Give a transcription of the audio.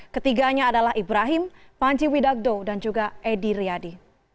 ketiganya adalah ibrahim panji widagdo dan juga edy riyadi